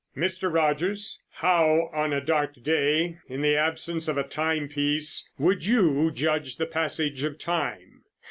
"Mr. Rogers, how, on a dark day and in the absence of a timepiece, would you judge the passage of time?"